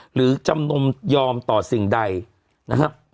หรือจำนมยอมต่อสิ่งใดนะครับ